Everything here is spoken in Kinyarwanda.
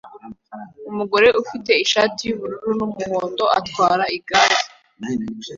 Umugabo ufite ishati yubururu numuhondo atwara igare